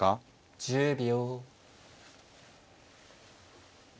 １０秒。